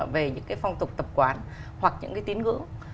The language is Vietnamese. về những cái phong tục tập quán hoặc những cái tín ngưỡng